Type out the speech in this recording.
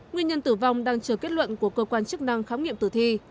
nguyên nhân tử vong đang chờ kết luận của cơ quan chức năng khám nghiệm tử thi